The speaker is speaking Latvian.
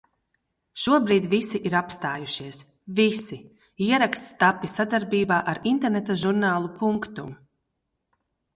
Šobrīd visi ir apstājušies. Visi. Ieraksts tapis sadarbībā ar interneta žurnālu Punctum